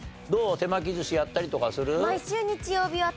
手巻き寿司やったりとかする？